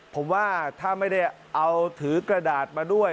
ผมว่าถ้าไม่ได้เอาถือกระดาษมาด้วย